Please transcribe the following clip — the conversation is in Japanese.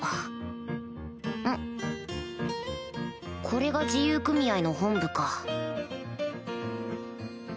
これが自由組合の本部か